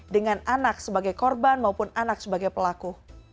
dengan anak sebagai korban maupun anak sebagai pelaku